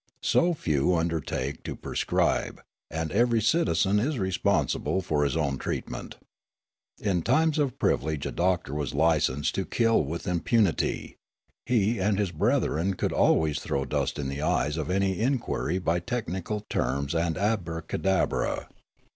So, few undertake to pre scribe, and every citizen is responsible for hi s own treatment. In times of privilege a doctor was licensed to kill with impunity ; he and his brethren could always throw dust in the eyes of any inquiry by technical terms and abracadabra.